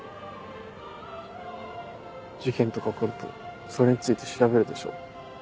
事件とか起こるとそれについて調べるでしょ？